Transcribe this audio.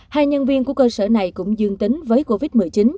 hai nhân viên của cơ sở này cũng dương tính với covid một mươi chín